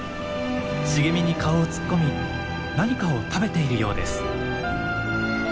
茂みに顔を突っ込み何かを食べているようです。